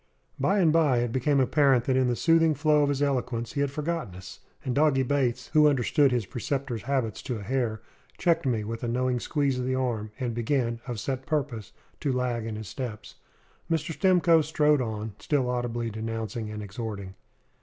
By and by it became apparent that in the soothing flow of his eloquence he had forgotten us; and Doggy Bates, who understood his preceptor's habits to a hair, checked me with a knowing squeeze of the arm, and began, of set purpose, to lag in his steps. Mr. Stimcoe strode on, still audibly denouncing and exhorting.